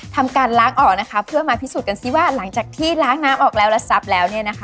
ทำการล้างออกเพื่อมาพิสูจน์กันซิว่าหลังจากที่ล้างน้ำออกแล้วและซับแล้ว